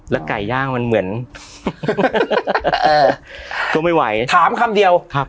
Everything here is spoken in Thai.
ไก่ย่างมันเหมือนก็ไม่ไหวถามคำเดียวครับ